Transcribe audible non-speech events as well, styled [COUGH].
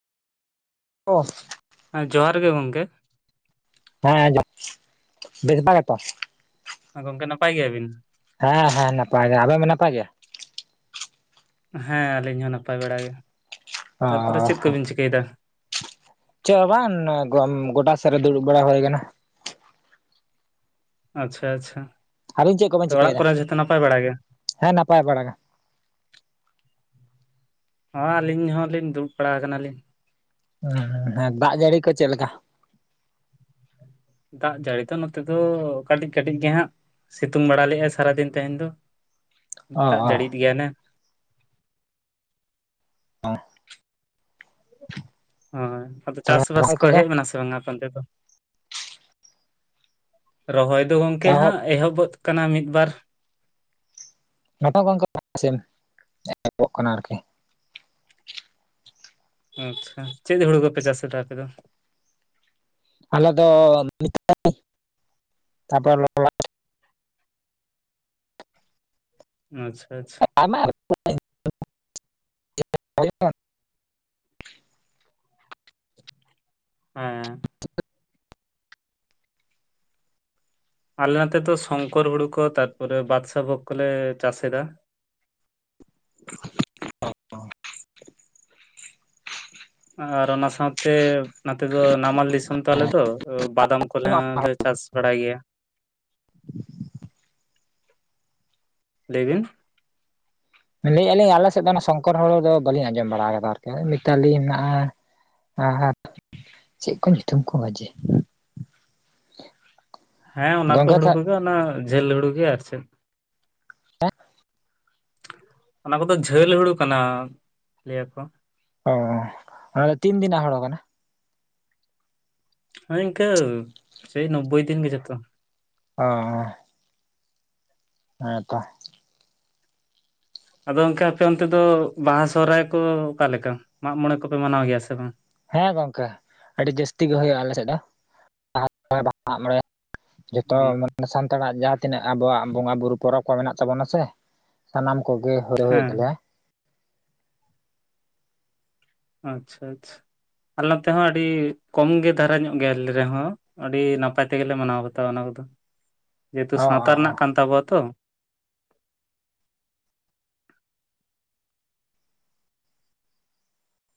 ᱚ᱾ ᱦᱮᱸ ᱡᱚᱦᱟᱨ ᱜᱮ ᱜᱚᱝᱠᱮ᱾ ᱦᱮᱸ ᱟᱸᱡᱚᱢ ᱵᱮᱥ ᱵᱟᱨᱟ ᱜᱮᱛᱚ? ᱦᱮᱸ ᱜᱚᱢᱠᱮ ᱱᱟᱯᱟᱭ ᱜᱮᱭᱟᱵᱤᱱ? ᱦᱮᱸ ᱦᱮᱸ ᱱᱟᱯᱟᱭ ᱜᱮᱭᱟ ᱟᱵᱮᱱ ᱵᱮᱱ ᱱᱟᱯᱟᱭ ᱜᱮᱭᱟ᱾ ᱦᱮᱸ ᱟᱹᱞᱤᱧ ᱦᱚᱸ ᱱᱟᱯᱟᱭ ᱵᱟᱲᱟ ᱜᱮ [INAUDIBLE] ᱛᱟᱨᱯᱚᱨᱮ ᱚ ᱪᱮᱫ ᱠᱚᱵᱤᱱ ᱪᱤᱠᱟᱹᱭᱮᱫᱟ᱾ ᱪᱮᱫ ᱦᱚᱸ ᱵᱟᱝ ᱜᱚᱰᱟ ᱥᱮᱫ ᱨᱮ ᱫᱩᱲᱩᱵ ᱵᱟᱲᱟ ᱦᱩᱭ ᱟᱠᱟᱱᱟ᱾ ᱟᱪᱪᱷᱟ ᱟᱪᱪᱷᱟ ᱟᱹᱵᱤᱱ ᱪᱮᱫ [INAUDIBLE] ᱠᱚᱵᱮᱱ ᱛᱚ ᱚᱲᱟᱜ ᱪᱤᱠᱟᱹᱭᱮᱫᱟ ᱠᱚᱨᱮ ᱡᱷᱚᱛᱚ ᱱᱟᱯᱟᱭ ᱵᱟᱲᱟ ᱜᱮ᱾ ᱦᱮᱸ ᱱᱟᱯᱟᱭ ᱵᱟᱲᱟᱜᱮ᱾ ᱦᱚᱸ ᱟᱹᱞᱤᱧ ᱦᱚᱸᱞᱤᱧ ᱫᱩᱲᱩᱵ ᱵᱟᱲᱟ ᱟᱠᱟᱱᱟᱞᱤᱧ᱾ ᱦᱩᱸ ᱦᱮᱸ ᱫᱟᱜ ᱡᱟᱹᱲᱤ ᱠᱚ ᱪᱮᱫ ᱞᱮᱠᱟ᱾ ᱫᱟᱜ ᱡᱟᱹᱲᱤ ᱫᱚ ᱱᱚᱛᱮ ᱫᱚ ᱠᱟᱹᱴᱤᱡ ᱠᱟᱹᱴᱤᱡ ᱜᱮ ᱦᱟᱸᱜ᱾ ᱥᱤᱛᱩᱝ ᱵᱟᱲᱟ ᱞᱮᱫᱟᱭ ᱥᱟᱨᱟᱫᱤᱱ ᱛᱮᱦᱮᱧ ᱫᱚ ᱚ [INAUDIBLE] ᱫᱟᱜ ᱚ ᱡᱟᱹᱲᱤᱜ ᱮᱫ ᱜᱮᱭᱟ ᱱᱟ ᱦᱚᱸ [INAUDIBLE] ᱦᱚᱸᱭ ᱟᱫᱚ ᱪᱟᱥᱼᱵᱟᱥ ᱠᱚ ᱦᱮᱡ ᱮᱱᱟ ᱥᱮ ᱵᱟᱝᱟ ᱟᱯᱮ ᱚᱱᱛᱮ ᱫᱚ [INAUDIBLE] ᱨᱚᱦᱚᱭ ᱫᱚ ᱜᱚᱝᱠᱮ ᱮᱦᱚᱵ ᱦᱟᱸᱜ ᱮᱦᱚᱵᱚᱫ ᱠᱟᱱᱟ ᱢᱤᱫ ᱵᱟᱨ᱾ [UNINTELLIGIBLE] ᱮᱦᱚᱵᱚᱜ ᱠᱟᱱᱟ ᱟᱨᱠᱤ ᱟᱪᱪᱷᱟ ᱪᱮᱫ ᱦᱩᱲᱩ ᱠᱚᱯᱮ ᱪᱟᱥ ᱮᱫᱟ ᱟᱯᱮ ᱫᱚ, ᱟᱞᱮ ᱫᱚ [UNINTELLIGIBLE] ᱛᱟᱯᱚᱨ ᱞᱚ [UNINTELLIGIBLE] ᱟᱪᱪᱷᱟ, ᱟᱪᱪᱷᱟ [UNINTELLIGIBLE] [INAUDIBLE] ᱦᱮᱸ ᱟᱞᱮ ᱱᱚᱛᱮ ᱫᱚ ᱥᱚᱝᱠᱚᱨ ᱦᱩᱲᱩ ᱠᱚ ᱛᱟᱨᱯᱚᱨᱮ ᱵᱟᱫᱥᱟᱦ ᱵᱷᱳᱜᱽ ᱠᱚᱞᱮ ᱪᱟᱥ ᱮᱫᱟ᱾ ᱟᱨ ᱚᱱᱟ ᱥᱟᱶᱛᱮ ᱱᱚᱛᱮ ᱫᱚ ᱱᱟᱢᱟᱞ ᱫᱤᱥᱚᱢ ᱛᱚ ᱟᱞᱮ ᱫᱚ ᱵᱟᱫᱟᱢ ᱠᱚ ᱠᱚᱞᱮ ᱦᱚᱸᱞᱮ ᱪᱟᱥ ᱵᱟᱲᱟᱭ ᱜᱮᱭᱟ [INAUDIBLE] [INAUDIBLE] [INAUDIBLE] ᱞᱟᱹᱭ ᱵᱤᱱ ᱞᱟᱹᱭᱮᱜ-ᱟ ᱞᱤᱧ ᱟᱞᱮ ᱥᱮᱫ ᱫᱚ ᱚᱱᱟ ᱥᱚᱝᱠᱚᱨ ᱦᱩᱲᱩ ᱫᱚ ᱵᱟᱹᱞᱤᱧ ᱟᱸᱡᱚᱢ ᱵᱟᱲᱟᱣ ᱠᱟᱫᱟ ᱟᱨᱠᱤ ᱢᱤᱛᱟᱞᱤ ᱦᱮᱱᱟᱜ-ᱟ [UNINTELLIGIBLE] ᱟᱨ ᱪᱮᱫ ᱠᱚ ᱧᱩᱛᱩᱢ ᱠᱚᱣᱟ ᱡᱮ [INAUDIBLE] ᱦᱮᱸ ᱚᱱᱟ ᱠᱚ ᱦᱩᱲᱩ ᱛᱟᱦᱚᱞᱮ ᱠᱚᱜᱮ ᱚᱱᱟ ᱡᱷᱟᱹᱞ ᱦᱩᱲᱩ ᱜᱮ ᱟᱨ ᱪᱮᱫ, [UNINTELLIGIBLE] ᱚᱱᱟ ᱠᱚᱫᱚ ᱡᱷᱟᱹᱞ ᱦᱩᱲᱩ ᱠᱟᱱᱟ ᱞᱟᱹᱭᱟ ᱠᱚ, ᱚᱻ ᱚᱱᱟ ᱫᱚ ᱛᱤᱱ ᱫᱤᱱᱟᱜ ᱦᱳᱲᱳ ᱠᱟᱱᱟ? ᱦᱳᱭ ᱤᱱᱠᱟᱹ ᱥᱮᱭ ᱱᱳᱵᱵᱳᱭ ᱫᱤᱱ ᱜᱮ ᱡᱮᱛᱚ᱾ ᱚᱻ ᱦᱮᱸ ᱛᱚᱻ ᱟᱫᱚ ᱜᱚᱝᱠᱮ ᱟᱯᱮ ᱚᱱᱛᱮ ᱫᱚ ᱵᱟᱦᱟ ᱥᱚᱦᱨᱟᱭ ᱠᱚ ᱚᱠᱟ ᱞᱮᱠᱟ ᱢᱟᱜ ᱢᱚᱬᱮ ᱠᱚᱯᱮ ᱢᱟᱱᱟᱣ ᱜᱮᱭᱟ ᱥᱮ ᱵᱟᱝ? ᱦᱮᱸ ᱜᱚᱝᱠᱮ ᱟᱹᱰᱤ ᱡᱟᱹᱥᱛᱤ ᱜᱮ ᱦᱳᱭᱳᱜ-ᱟ ᱟᱞᱮ ᱥᱮᱫ ᱫᱚ [UNINTELLIGIBLE] ᱢᱟᱜ ᱢᱚᱬᱮ [INAUDIBLE] ᱡᱷᱚᱛᱚ ᱦᱩᱸ, ᱢᱟᱱᱮ ᱥᱟᱱᱛᱟᱲᱟᱜ ᱡᱟᱛ ᱛᱤᱱᱟᱹᱜ ᱟᱵᱚᱣᱟᱜ ᱵᱚᱸᱜᱟ ᱵᱩᱨᱩ ᱯᱚᱨᱚᱵ ᱠᱚ ᱢᱮᱱᱟᱜ ᱛᱟᱵᱚᱱᱟ ᱥᱮ [INAUDIBLE] ᱥᱟᱱᱟᱢ ᱠᱚᱜᱮ ᱦᱳᱨᱮ ᱦᱳᱭᱳᱜ ᱦᱮᱸ ᱛᱟᱞᱮᱭᱟ᱾ ᱟᱪᱪᱷᱟ, ᱟᱪᱪᱷᱟ ᱟᱞᱮ ᱚᱛᱮ ᱦᱚᱸ ᱟᱹᱰᱤ ᱠᱚᱢ ᱜᱮ ᱫᱟᱨᱟ ᱧᱚᱜ ᱜᱮᱭᱟᱞᱤ ᱨᱮᱦᱚᱸ ᱟᱹᱰᱤ ᱱᱟᱯᱟᱭ ᱛᱮᱜᱮᱞᱮ ᱢᱟᱱᱟᱣ ᱵᱟᱛᱟᱣᱟ ᱚᱱᱟ ᱠᱚᱫᱚ [INAUDIBLE] ᱡᱮᱦᱮᱛᱩ ᱚ ᱥᱟᱶᱛᱟ ᱚ ᱚ ᱨᱮᱱᱟᱜ ᱠᱟᱱ ᱛᱟᱵᱚᱣᱟ ᱛᱚ᱾